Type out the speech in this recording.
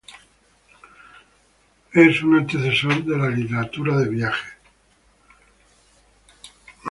Es un antecesor de la literatura de viajes.